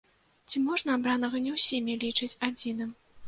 Ці можна абранага не ўсімі лічыць адзіным?